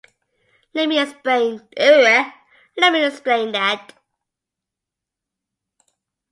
Let me explain that.